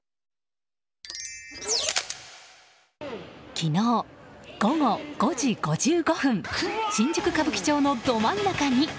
昨日午後５時５５分新宿・歌舞伎町のど真ん中に。